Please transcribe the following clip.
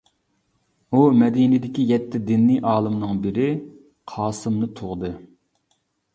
ئۇ مەدىنىدىكى يەتتە دىنى ئالىمنىڭ بىرى-قاسىمنى تۇغدى.